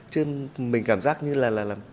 chứ mình cảm giác như là